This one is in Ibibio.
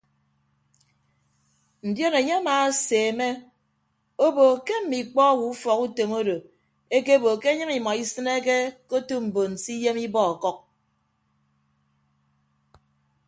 Ndion enye amaaseemme obo ke mme ikpọ owo ufọkutom odo ekebo ke enyịñ imọ isịneke ke otu mbon se iyem ibọ ọkʌk.